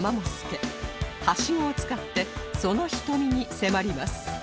はしごを使ってその瞳に迫ります